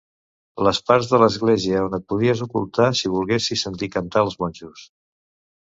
Les parts de l'església on et podries ocultar si volguessis sentir cantar els monjos.